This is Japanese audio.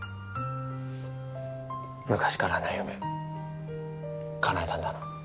昔からの夢かなえたんだな